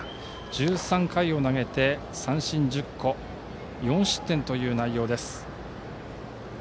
１３回を投げて三振１０個４失点という内容です。